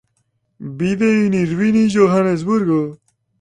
Vive en Irvine y Johannesburgo.